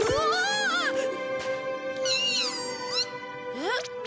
えっ？